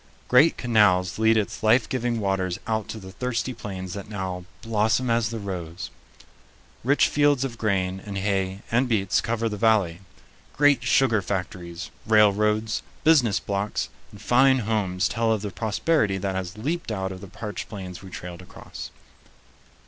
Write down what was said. Great canals lead its life giving waters out to the thirsty plains that now "blossom as the rose." Rich fields of grain and hay and beets cover the valley. Great sugar factories, railroads, business blocks, and fine homes tell of the prosperity that has leaped out of the parched plains we trailed across.